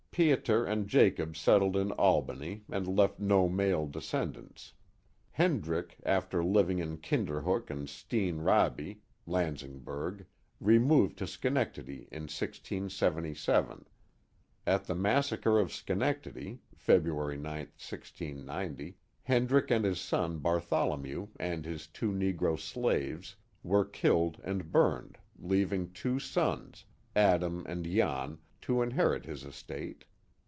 Pieter Mind Jacob settled in Albany and left no male descendants. Klendrick, after living at Kinderhook and Steene Raby (Laii singburg), removed to Schenectady in 1677. At the Massacre of Schenectady, February 9, i6go, Hendrick and his son Bartholomew and his two negro slaves were killed and burned, leaving two sons, Adam and Jan, to inherit his estate.